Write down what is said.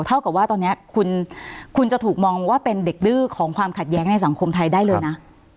เท่ากับว่าตอนนี้คุณจะถูกมองว่าเป็นเด็กดื้อของความขัดแย้งในสังคมไทยได้เลยนะ